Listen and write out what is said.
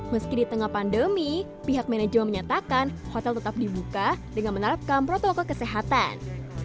meski di tengah pandemi pihak manajemen menyatakan hotel tetap dibuka dengan menerapkan protokol kesehatan